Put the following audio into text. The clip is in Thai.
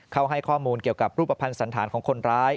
เขาให้ข้อมูลเกี่ยวกับรูปภัณฑ์สันธารของคนร้าย